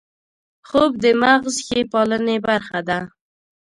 خوب د مغز ښې پالنې برخه ده